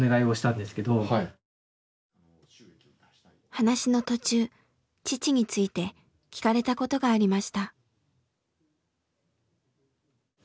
話の途中父について聞かれたことがありました。